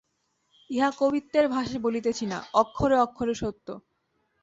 ইহা কবিত্বের ভাষায় বলিতেছি না, অক্ষরে অক্ষরে সত্য।